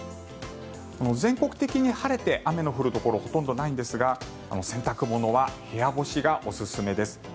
全国的に晴れて雨の降るところほとんどないんですが洗濯物は部屋干しがおすすめです。